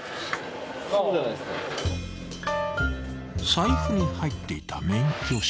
［財布に入っていた免許証］